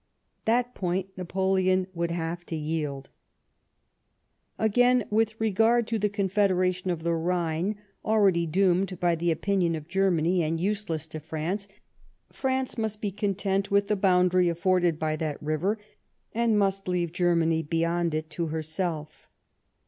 That point Napoleon would have to yield. Again, with regard to the Confederation of the Rhine, already doomed by the opinion of Germany and useless to France, France nmst be content with the boundary afforded by that river, and must leave Germany beyond it to herself.